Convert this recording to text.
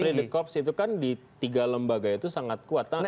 esprit de corps itu kan di tiga lembaga itu sangat kuat kan